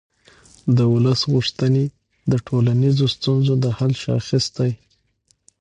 د ولس غوښتنې د ټولنیزو ستونزو د حل شاخص دی